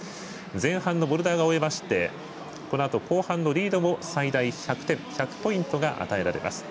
前半のボルダーを終えてこのあと後半のリードも最大１００ポイントが与えられます。